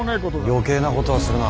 余計なことはするな。